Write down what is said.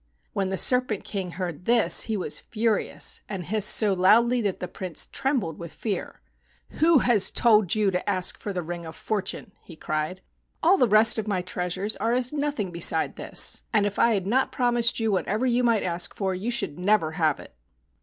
When the Serpent King heard this he was furious, and hissed so loudly that the Prince trembled with fear. "Who has told you to ask for the Ring of Fortune?" he cried. "All the rest of my treasures are as nothing beside this, and if I had not promised you whatever you might ask for, you should never have it."